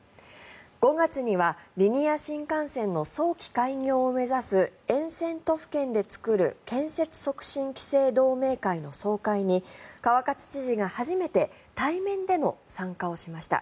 ５月にはリニア新幹線の早期開業を目指す沿線都府県で作る建設促進期成同盟会の総会に川勝知事が初めて対面での参加をしました。